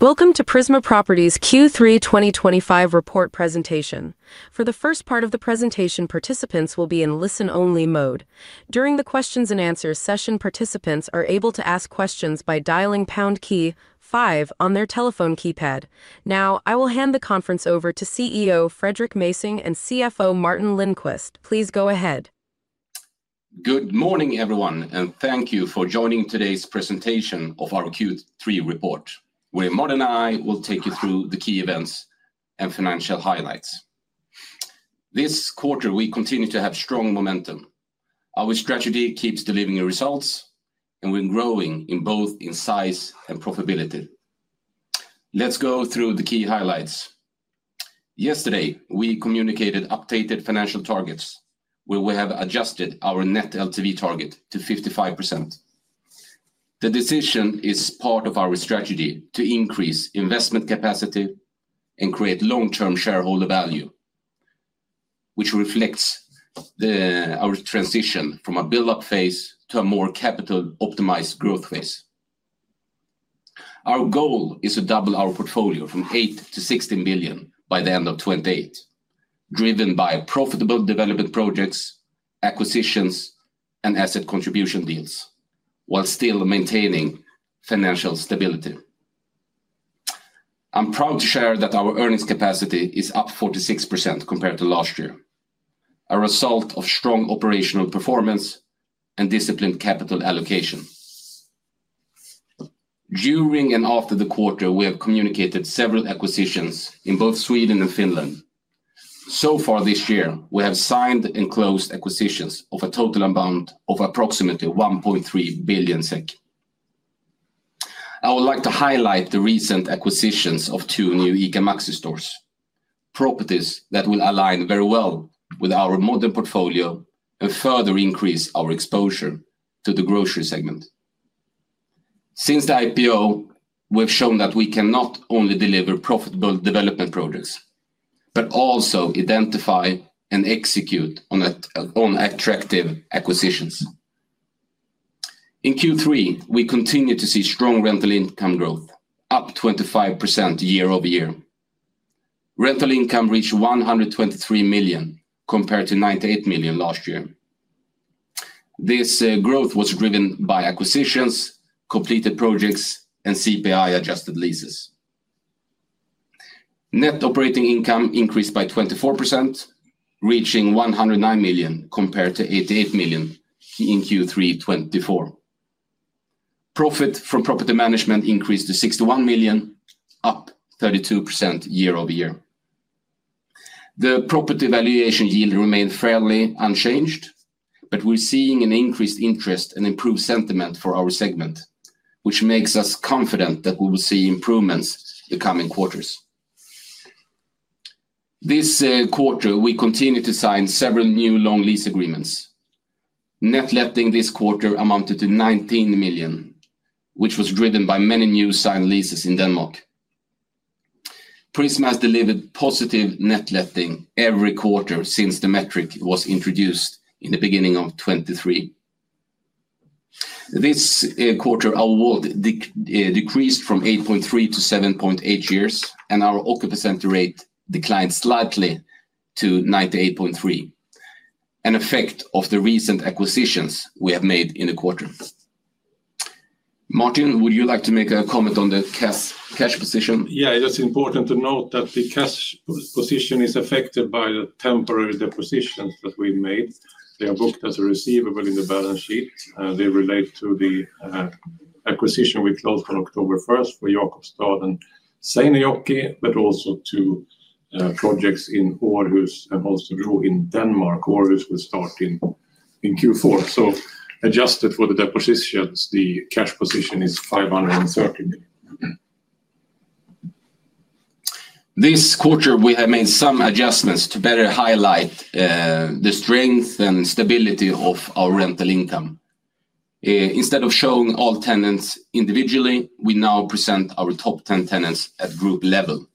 Welcome to Prisma Properties' Q3 2025 report presentation. For the first part of the presentation, participants will be in listen-only mode. During the questions and answers session, participants are able to ask questions by dialing the pound key 5 on their telephone keypad. Now, I will hand the conference over to CEO Fredrik Mässing and CFO Martin Lindqvist. Please go ahead. Good morning, everyone, and thank you for joining today's presentation of our Q3 report, where Martin and I will take you through the key events and financial highlights. This quarter, we continue to have strong momentum. Our strategy keeps delivering results and we're growing in both size and profitability. Let's go through the key highlights. Yesterday, we communicated updated financial targets, where we have adjusted our net LTV target to 55%. The decision is part of our strategy to increase investment capacity and create long-term shareholder value, which reflects our transition from a build-up phase to a more capital-optimized growth phase. Our goal is to double our portfolio from 8 billion-16 billion by the end of 2028, driven by profitable development projects, acquisitions, and asset contribution deals, while still maintaining financial stability. I'm proud to share that our earnings capacity is up 46% compared to last year, a result of strong operational performance and disciplined capital allocation. During and after the quarter, we have communicated several acquisitions in both Sweden and Finland. So far this year, we have signed and closed acquisitions of a total amount of approximately 1.3 billion SEK. I would like to highlight the recent acquisitions of two new ICA Maxi stores, properties that will align very well with our modern portfolio and further increase our exposure to the grocery segment. Since the IPO, we've shown that we can not only deliver profitable development projects but also identify and execute on attractive acquisitions. In Q3, we continue to see strong rental income growth, up 25% year-over-year. Rental income reached 123 million compared to 98 million last year. This growth was driven by acquisitions, completed projects, and CPI-adjusted leases. Net operating income increased by 24%, reaching 109 million compared to 88 million in Q3 2024. Profit from property management increased to 61 million, up 32% year-over-year. The property valuation yield remained fairly unchanged, but we're seeing an increased interest and improved sentiment for our segment, which makes us confident that we will see improvements in the coming quarters. This quarter, we continue to sign several new long lease agreements. Net letting this quarter amounted to 19 million, which was driven by many new signed leases in Denmark. Prisma has delivered positive net letting every quarter since the metric was introduced in the beginning of 2023. This quarter, our WALT decreased from 8.3-7.8 years, and our occupancy rate declined slightly to 98.3%, an effect of the recent acquisitions we have made in the quarter. Martin, would you like to make a comment on the cash position? Yes, it's important to note that the cash position is affected by the temporary depositions that we made. They are booked as a receivable in the balance sheet. They relate to the acquisition we closed on October 1st for Jakobstad and Seinäjoki, but also to projects in Aarhus and Holstebro in Denmark. Aarhus will start in Q4. Adjusted for the depositions, the cash position is 530 million. This quarter, we have made some adjustments to better highlight the strength and stability of our rental income. Instead of showing all tenants individually, we now present our top 10 tenants at group level.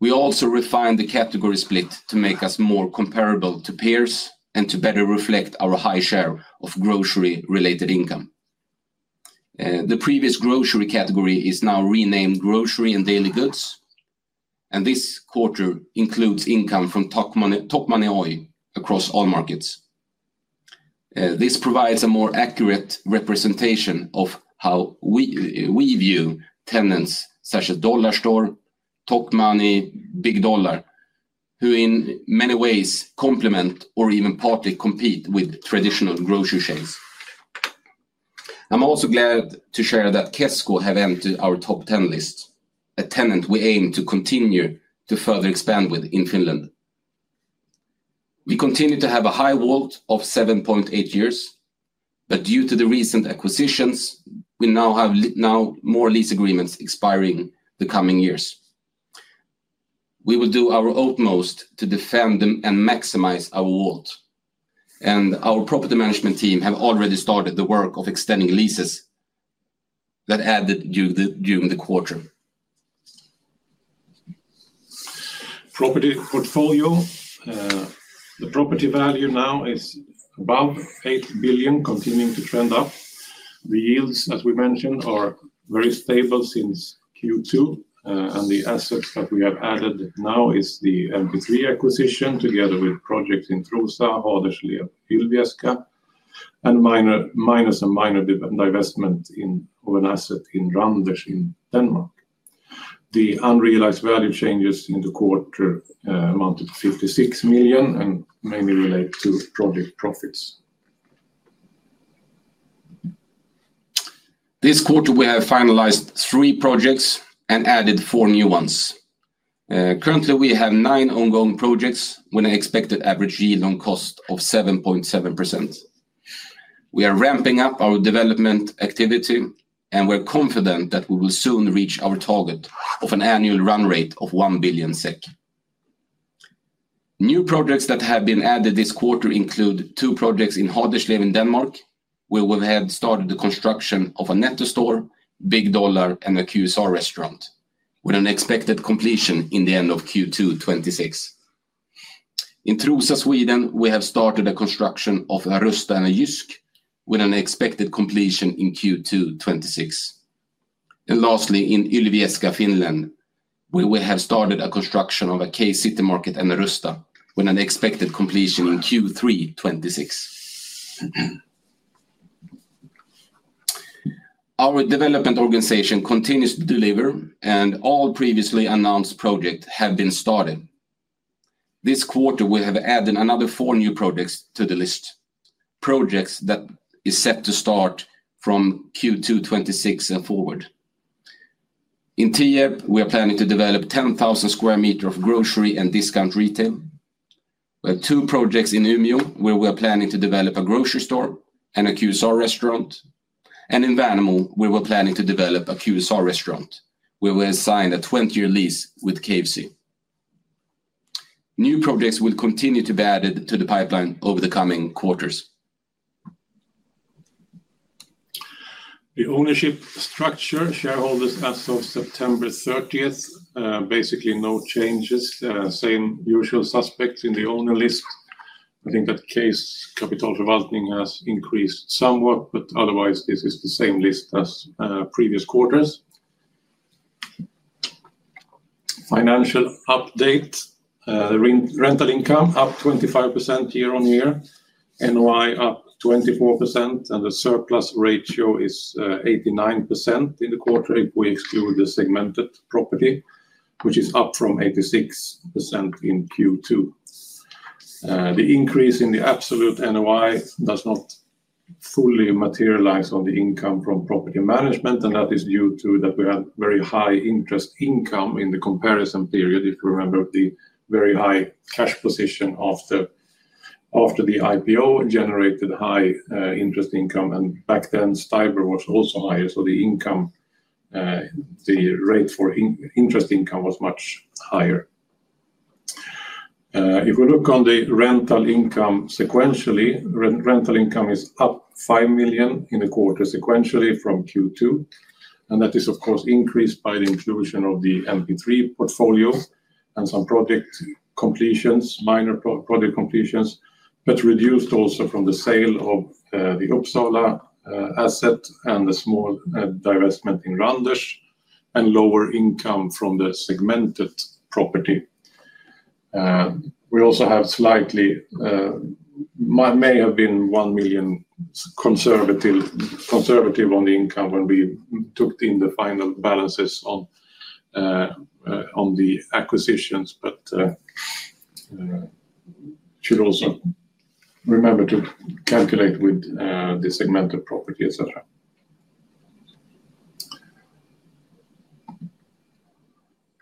We also refined the category split to make us more comparable to peers and to better reflect our high share of grocery-related income. The previous grocery category is now renamed grocery and daily goods, and this quarter includes income from Tokmanni Oy across all markets. This provides a more accurate representation of how we view tenants such as Dollarstore, Tokmanni Oy, BigDollar, who in many ways complement or even partly compete with traditional grocery chains. I'm also glad to share that Kesko have entered our top 10 list, a tenant we aim to continue to further expand with in Finland. We continue to have a high WALT of 7.8 years, but due to the recent acquisitions, we now have more lease agreements expiring in the coming years. We will do our utmost to defend them and maximize our WALT. Our property management team has already started the work of extending leases that added during the quarter. Property portfolio, the property value now is above 8 billion, continuing to trend up. The yields, as we mentioned, are very stable since Q2, and the assets that we have added now are the NP3 acquisition together with projects in Tromsø, Vänersborg, and Ilmajoki, and minus a minor divestment of an asset in Randers in Denmark. The unrealized value changes in the quarter amounted to 56 million and mainly relate to project profits. This quarter, we have finalized three projects and added four new ones. Currently, we have nine ongoing projects with an expected average yield on cost of 7.7%. We are ramping up our development activity, and we're confident that we will soon reach our target of an annual run rate of 1 billion SEK. New projects that have been added this quarter include two projects in Haderslev in Denmark, where we have started the construction of a Netto Store, Big Dollar, and a QSR restaurant with an expected completion in the end of Q2 2026. In Tromsø, Norway, we have started the construction of a Rusta and a Jysk with an expected completion in Q2 2026. Lastly, in Ilmajoki, Finland, we have started the construction of a K-Citymarket and a Rusta with an expected completion in Q3 2026. Our development organization continues to deliver, and all previously announced projects have been started. This quarter, we have added another four new projects to the list, projects that are set to start from Q2 2026 and forward. In Tierp, we are planning to develop 10,000 square meters of grocery and discount retail. We have two projects in Umeå, where we are planning to develop a grocery store and a QSR restaurant, and in Värnamo, where we're planning to develop a QSR restaurant, where we have signed a 20-year lease with KFC. New projects will continue to be added to the pipeline over the coming quarters. The ownership structure, shareholders as of September 30th, basically no changes, same usual suspects in the owner list. I think that K's Capitalförvaltning has increased somewhat, but otherwise, this is the same list as previous quarters. Financial update, the rental income up 25% year-on-year, NOI up 24%, and the surplus ratio is 89% in the quarter if we exclude the segmented property, which is up from 86% in Q2. The increase in the absolute NOI does not fully materialize on the income from property management, and that is due to that we had very high interest income in the comparison period. If you remember, the very high cash position after the IPO generated high interest income, and back then, Stibor was also higher, so the rate for interest income was much higher. If we look on the rental income sequentially, rental income is up 5 million in the quarter sequentially from Q2, and that is, of course, increased by the inclusion of the NP3 portfolio and some project completions, minor project completions, but reduced also from the sale of the Uppsala asset and the small divestment in Randers and lower income from the segmented property. We also have slightly, may have been 1 million conservative on the income when we took in the final balances on the acquisitions, but should also remember to calculate with the segmented property, etc.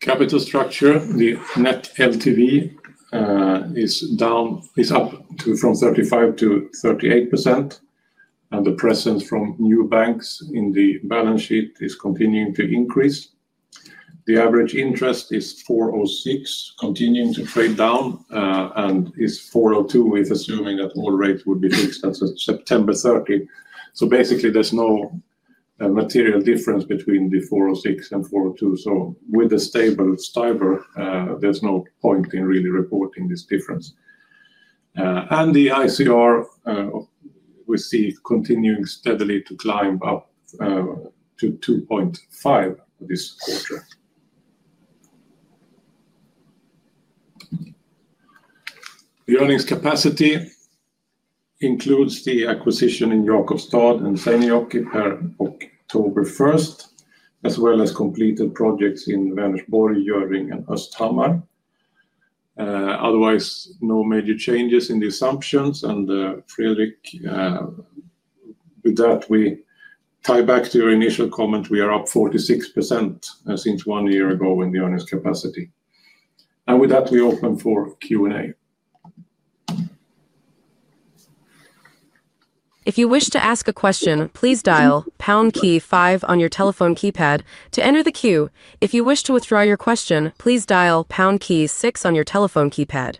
Capital structure, the net LTV is up from 35%-38%, and the presence from new banks in the balance sheet is continuing to increase. The average interest is 4.06%, continuing to trade down, and is 4.02% with assuming that all rates would be fixed at September 30. Basically, there's no material difference between the 4.06% and 4.02%. With a stable Stibor, there's no point in really reporting this difference. The ICR, we see continuing steadily to climb up to 2.5x this quarter. The earnings capacity includes the acquisition in Jakobstad and Seinäjoki per October 1st, as well as completed projects in Vänersborg, Göringe, and Östhammar. Otherwise, no major changes in the assumptions, and Fredrik, with that, we tie back to your initial comment, we are up 46% since one year ago in the earnings capacity. With that, we open for Q&A. If you wish to ask a question, please dial pound key five on your telephone keypad to enter the queue. If you wish to withdraw your question, please dial pound key six on your telephone keypad.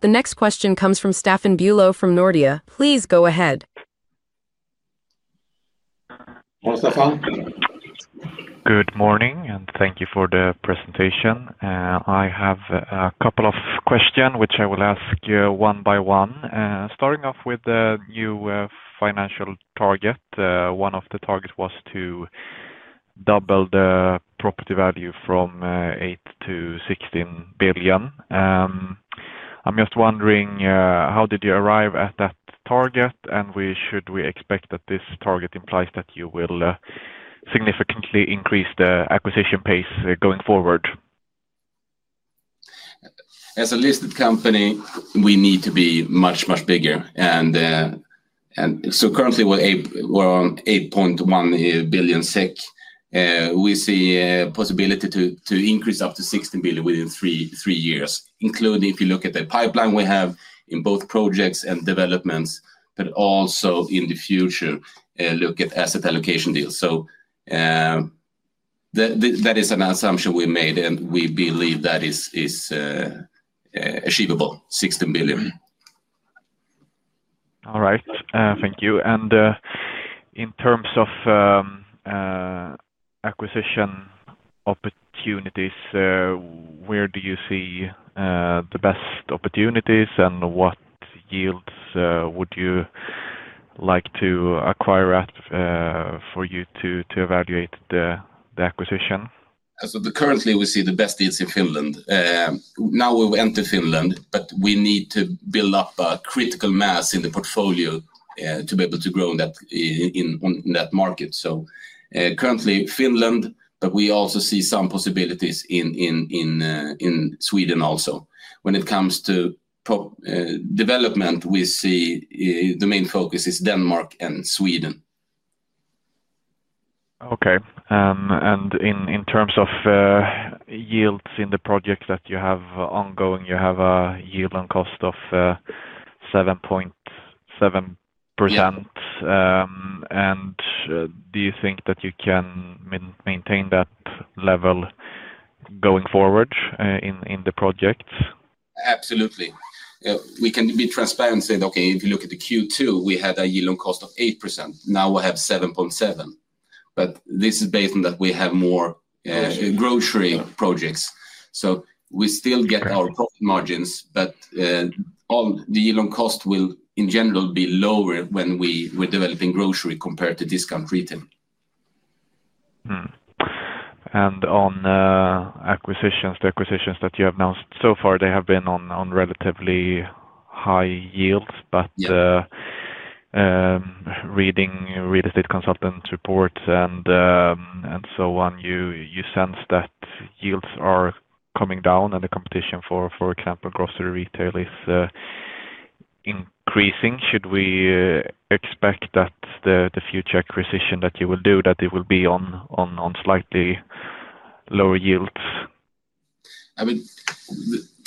The next question comes from Staffan Bülow from Nordea. Please go ahead. Good morning, and thank you for the presentation. I have a couple of questions, which I will ask you one by one. Starting off with the new financial target, one of the targets was to double the property value from 8 billion-16 billion. I'm just wondering, how did you arrive at that target? Should we expect that this target implies that you will significantly increase the acquisition pace going forward? As a listed company, we need to be much, much bigger. Currently, we're on 8.1 billion SEK. We see a possibility to increase up to 16 billion within three years, including if you look at the pipeline we have in both projects and developments, but also in the future, look at asset contribution deals. That is an assumption we made, and we believe that is achievable, 16 billion. All right. Thank you. In terms of acquisition opportunities, where do you see the best opportunities, and what yields would you like to acquire for you to evaluate the acquisition? Currently, we see the best deals in Finland. Now we've entered Finland, but we need to build up a critical mass in the portfolio to be able to grow in that market. Currently, Finland, but we also see some possibilities in Sweden also. When it comes to development, we see the main focus is Denmark and Sweden. Okay. In terms of yields in the projects that you have ongoing, you have a yield on cost of 7.7%. Do you think that you can maintain that level going forward in the projects? Absolutely. We can be transparent and say, okay, if you look at the Q2, we had a yield on cost of 8%. Now we have 7.7%. This is based on that we have more grocery projects. We still get our profit margins, but the yield on cost will, in general, be lower when we're developing grocery compared to discount retail. On acquisitions, the acquisitions that you have announced so far have been on relatively high yields. Reading real estate consultants' reports and so on, you sense that yields are coming down and the competition for, for example, grocery retail is increasing. Should we expect that the future acquisition that you will do will be on slightly lower yields? I mean,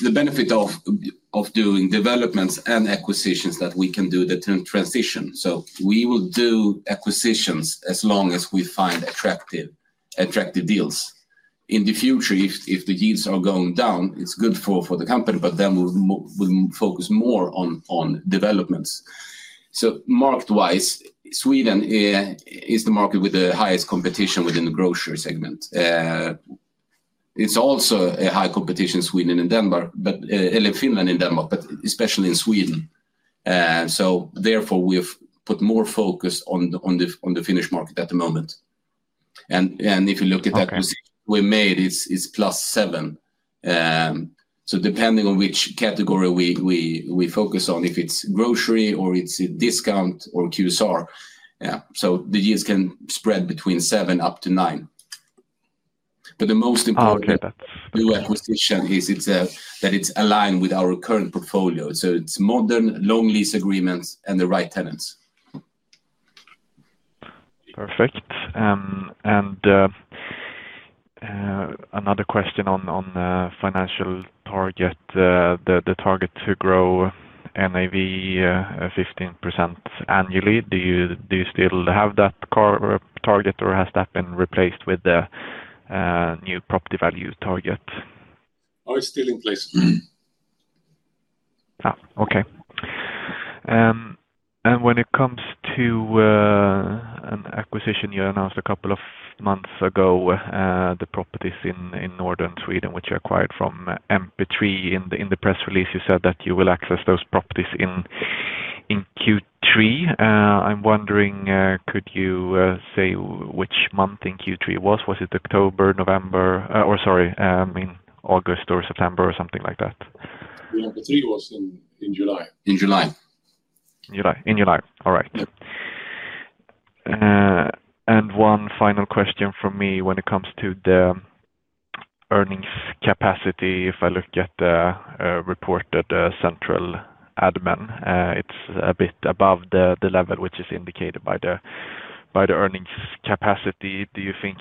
the benefit of doing developments and acquisitions is that we can do the transition. We will do acquisitions as long as we find attractive deals. In the future, if the yields are going down, it's good for the company, but we'll focus more on developments. Market-wise, Sweden is the market with the highest competition within the grocery segment. It's also high competition in Sweden and Denmark, Finland and Denmark, but especially in Sweden. Therefore, we've put more focus on the Finnish market at the moment. If you look at the acquisition we made, it's +7%. Depending on which category we focus on, if it's grocery or it's discount or QSR, the yields can spread between 7% up to 9%. The most important new acquisition is that it's aligned with our current portfolio. It's modern, long lease agreements, and the right tenants. Perfect. Another question on the financial target, the target to grow NAV 15% annually. Do you still have that target, or has that been replaced with the new property value target? Oh, it's still in place. Okay. When it comes to an acquisition you announced a couple of months ago, the properties in northern Sweden, which you acquired from NP3, in the press release you said that you will access those properties in Q3. I'm wondering, could you say which month in Q3 it was? Was it October, November, or sorry, I mean, August or September or something like that? The NP3 was in July. In July. All right. One final question from me when it comes to the earnings capacity. If I look at the reported central admin, it's a bit above the level which is indicated by the earnings capacity. Do you think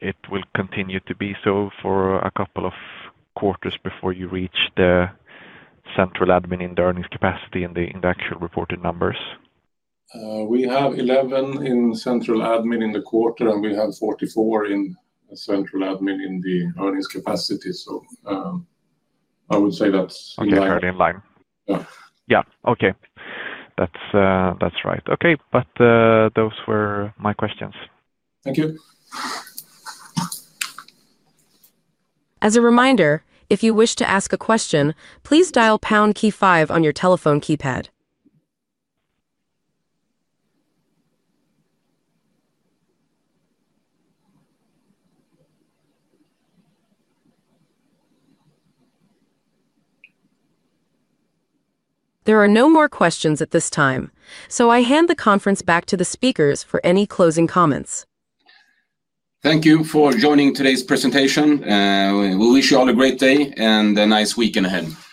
it will continue to be so for a couple of quarters before you reach the central admin in the earnings capacity in the actual reported numbers? We have 11 in central admin in the quarter, and we have 44 in central admin in the earnings capacity. I would say that's in line. That's very in line. Yeah. Yeah. Okay. That's right. Okay. Those were my questions. Thank you. As a reminder, if you wish to ask a question, please dial the pound key five on your telephone keypad. There are no more questions at this time. I hand the conference back to the speakers for any closing comments. Thank you for joining today's presentation. We wish you all a great day and a nice weekend ahead. Thank you.